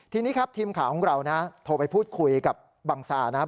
ทีนี้ครับทีมข่าวของเรานะโทรไปพูดคุยกับบังซานะครับ